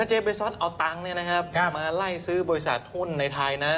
เจ๊เบซอสเอาตังค์มาไล่ซื้อบริษัทหุ้นในไทยนะ